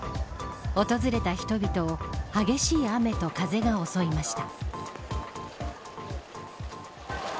訪れた人々を激しい雨と風が襲いました。